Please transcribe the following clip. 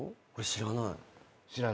知らない？